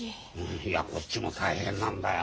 いやこっちも大変なんだよ。